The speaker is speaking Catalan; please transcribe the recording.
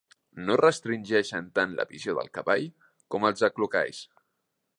No restringeixen tant la visió del cavall com els aclucalls.